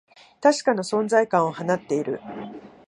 確かな存在感を放っている